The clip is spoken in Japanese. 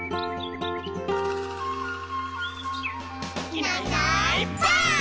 「いないいないばあっ！」